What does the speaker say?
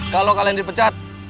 kalau kalian dipecat